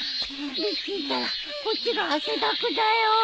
ビッキーったらこっちが汗だくだよ。